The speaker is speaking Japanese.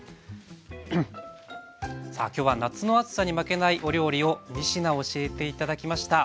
さあ今日は夏の暑さに負けないお料理を２品教えて頂きました。